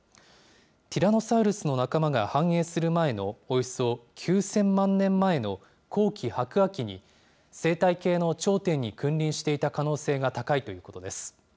ティラノサウルスの仲間が繁栄する前のおよそ９０００万年前の後期白亜紀に、生態系の頂点に君臨していた可能性が高いということです。